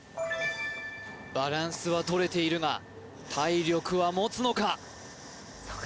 バランスはとれているが体力はもつのか？